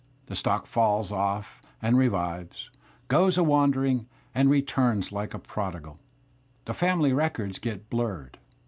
The stock falls off and ^ revives, goes a wandering, and returns like a prodigal. The family records get blurred.